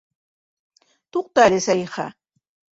Туҡта әле, Сәлихә.